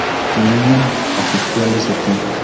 Luhrmann asistió al St.